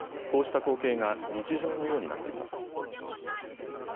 こうした光景が日常のようになっています。